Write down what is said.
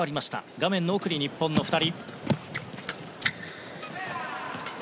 画面の奥に日本の２人。